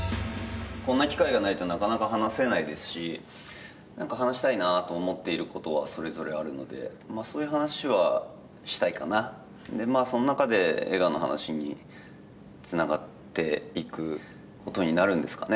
こんな機会がないとなかなか話せないですし何か話したいなと思っていることはそれぞれあるのでそういう話はしたいかなでまあその中で映画の話につながっていくことになるんですかね